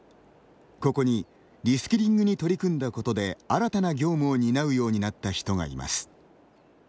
ここに、リスキリングに取り組んだことで新たな業務を担うようになった人がいます。